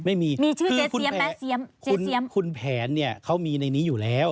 ไม่มีมีชื่อเจ๊เจี๊ยบไหมเจ๊เจี๊ยมคุณแผนเนี่ยเขามีในนี้อยู่แล้ว